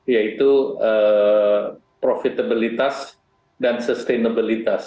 yaitu profitabilitas dan sustainability